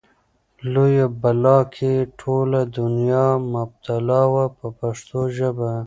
لویه بلا کې ټوله دنیا مبتلا وه په پښتو ژبه.